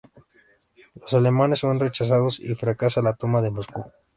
Los alemanes son rechazados y fracasa la toma de Moscú.